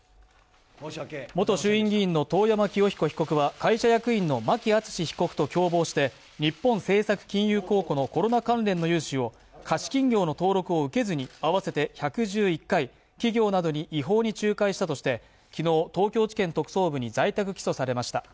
元衆院議員の遠山清彦被告は、会社役員の牧厚被告と共謀して日本政策金融公庫のコロナ関連の融資を貸金業の登録を受けずに合わせて１１１回、企業などに違法に仲介したとして昨日、東京地検特捜部に在宅起訴されました。